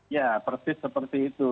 ya persis seperti itu